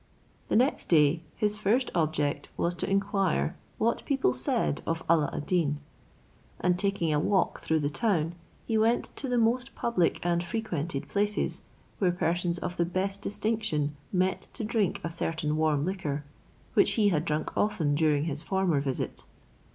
The next day, his first object was to inquire what people said of Alla ad Deen; and, taking a walk through the town, he went to the most public and frequented places, where persons of the best distinction met to drink a certain warm liquor, which he had drunk often during his former visit.